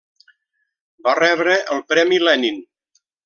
Va rebre el Premi Lenin.